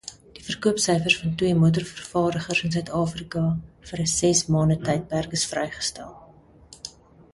Die verkoopsyfers van twee motorvervaardigers in Suid-Afrika vir 'n sesmaande-tydperk is vrygestel.